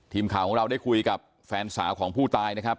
ทีมข่าวของเราได้คุยกับแฟนสาวของผู้ตายนะครับ